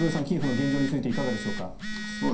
キエフの現状についていかがでしょうか。